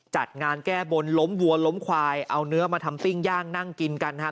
จัดงานแก้บนล้มวัวล้มควายเอาเนื้อมาทำปิ้งย่างนั่งกินกันครับ